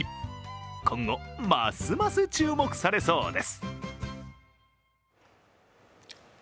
今後ますます注目されそうです。